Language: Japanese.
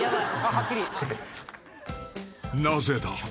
［なぜだ？